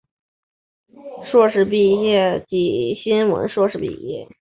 香港大学文学院学士毕业及新闻硕士毕业。